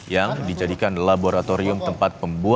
yang dijadikan laboratorium tempat pembuatan